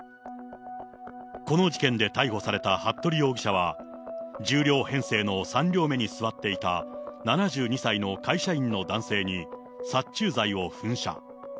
この事件で逮捕された服部容疑者は、１０両編成の３両目に座っていた７２歳の会社員の男性に、殺虫剤を噴射。